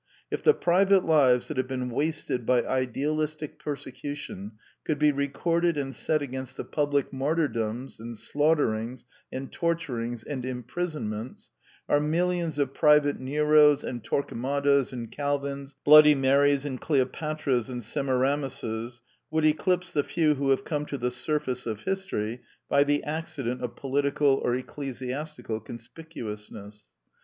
If the private lives that have been wasted by idealistic persecution could be recorded and set against the public martyrdoms and slaughterings and torturings and imprison ments, our millions of private Neros and Tor quemadas and Calvins, Bloody Maries and Cleo patras and Semiramises, would eclipse the few who have come to the surface of history by the accident of political or ecclesiastical conspicuous ness.